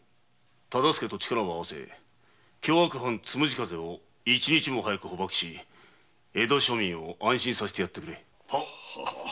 大岡と力を合わせ凶悪犯「つむじ風」を一日も早く捕縛し江戸庶民を安心させてやってくれ。